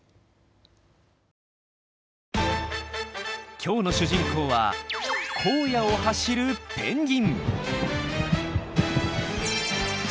今日の主人公は荒野を走るペンギン！